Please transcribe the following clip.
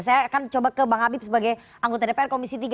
saya akan coba ke bang habib sebagai anggota dpr komisi tiga